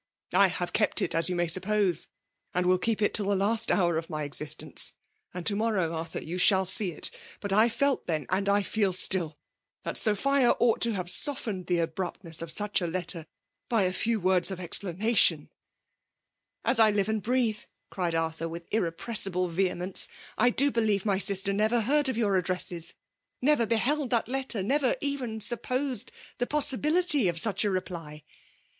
I have kept it as you may suppose, and will keep it till the last hour of my existence; and to morrow, Arthur, you shall see it. But I felt then, and I feel still, that Sophia ought to have softened the abruptness of such a letter, by a few words of explanation "" As I live and breathe,'' cried Arthur, with irrepressible vehemence, " I do believe k2 196 FEMAte DOHlKAtlOK. my sister never heard of joox ^dtewaes, — tiever beheld that letter, — tiever eren supposed the possibiKty of such a reply